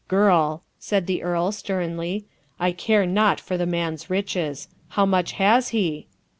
"Girl," said the earl sternly, "I care not for the man's riches. How much has he?"